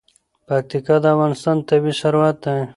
پکتیکا د افغانستان طبعي ثروت دی.